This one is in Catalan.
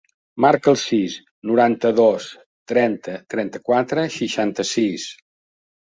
Marca el sis, noranta-dos, trenta, trenta-quatre, seixanta-sis.